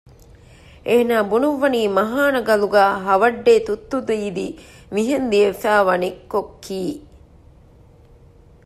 އޭނާ ބުނުއްވަނީ މަހާނަ ގަލުގައި ‘ހަވައްޑޭ ތުއްތު ދީދީ’ މިހެން ލިޔެވިފައި ވަނިކޮށް ކީ